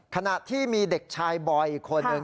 ขณะที่มีเด็กชายบอยอีกคน